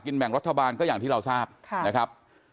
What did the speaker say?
แบ่งรัฐบาลก็อย่างที่เราทราบนะครับ